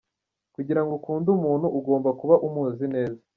kugirango ukunde umuntu, ugomba kuba umuzi neza.